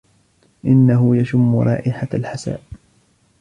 إنه يشم رائحة الحساء.